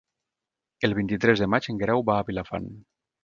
El vint-i-tres de maig en Guerau va a Vilafant.